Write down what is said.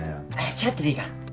ちょっとでいいから。